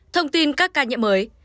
thông tin các ca nhiễm mới